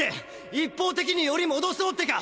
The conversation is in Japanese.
一方的により戻そうってか！